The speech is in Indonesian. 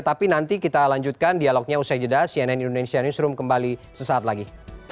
tapi nanti kita lanjutkan dialognya usai jeda cnn indonesia newsroom kembali sesaat lagi